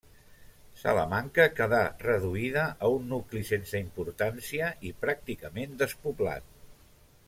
Salamanca quedà reduïda a un nucli sense importància i pràcticament despoblat.